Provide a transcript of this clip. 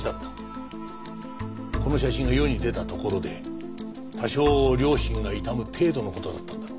この写真が世に出たところで多少良心が痛む程度の事だったんだ。